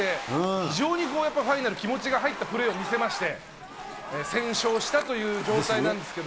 非常にファイナル、気持ちが入ったプレーを見せまして、先勝したという状態なんですけど。